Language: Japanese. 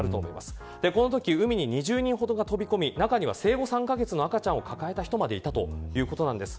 このとき海に２０人ほどが飛び込み、中には生後３カ月の赤ちゃんを抱えた人までいたということなんです。